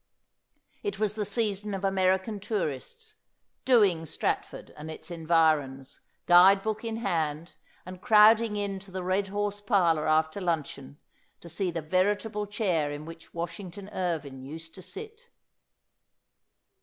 It was the season of American tour ists, doing Stratford and its environs, guide book in hand, and crowding in to The Red Horse parlour, after luncheon, to see the veritable chair in which Washington Irving used to sit.